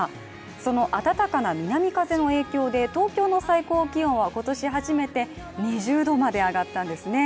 その暖かな南風の影響で東京の最高気温は今年初めて２０度まで上がったんですね。